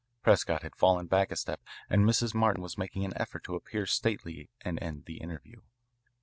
Prescott had fallen back a step and Mrs. Martin was making an effort to appear stately and end the interview.